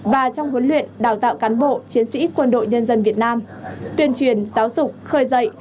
và trong huấn luyện đào tạo cán bộ chiến sĩ quân đội nhân dân việt nam tuyên truyền giáo dục khơi dậy